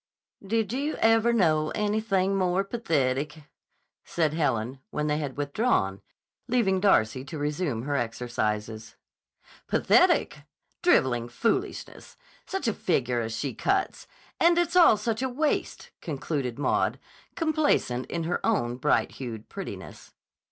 "Did you ever know anything more pathetic!" said Helen, when they had withdrawn, leaving Darcy to resume her exercises. "Pathetic! Driveling foolishness! Such a figure as she cuts! And it's all such a waste," concluded Maud, complacent in her own bright hued prettiness.